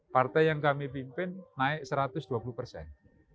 partai yang kami pimpin naik satu ratus dua puluh persen